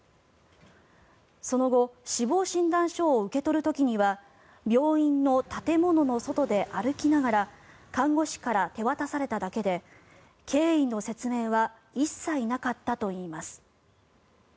その後死亡診断書を受け取る時には病院の建物の外で歩きながら看護師から手渡されただけで経緯の説明は一切なかったといいます。